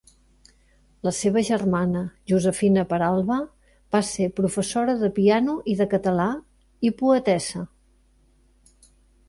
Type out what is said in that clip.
La seva germana Josefina Peralba va ser professora de piano i de català, i poetessa.